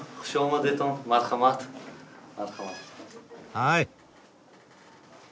はい。